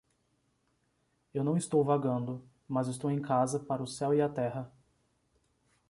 Eu não estou vagando, mas estou em casa para o céu e a terra.